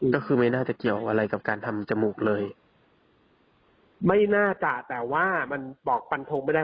ก็คือไม่น่าจะเกี่ยวอะไรกับการทำจมูกเลยไม่น่าจะแต่ว่ามันบอกฟันทงไม่ได้